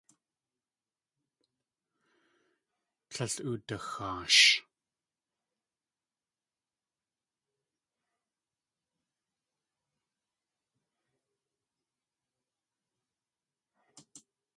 Tlél udaxaash.